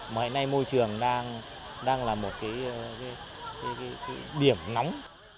mà hiện nay môi trường đang là một cái điểm nóng